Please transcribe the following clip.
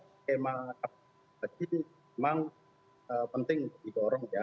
skema kpbu itu memang penting dikorong ya